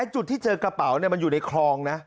จุดที่เจอกระเป๋ามันอยู่ในคลองนะ